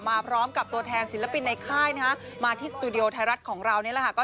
มาพร้อมกับตัวแทนศิลปินในค่ายนะฮะมาที่สตูดิโอไทยรัฐของเรานี่แหละค่ะ